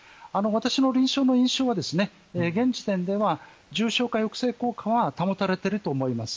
私の臨床の印象は現時点では重症化抑制効果は保たれていると思います。